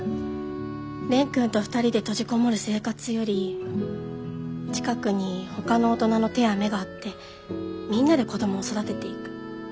蓮くんと２人で閉じこもる生活より近くにほかの大人の手や目があってみんなで子供を育てていく。